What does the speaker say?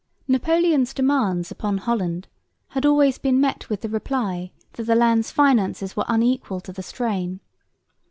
Napoleon's demands upon Holland had always been met with the reply that the land's finances were unequal to the strain.